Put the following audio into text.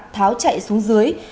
tháo chạy xuống dưới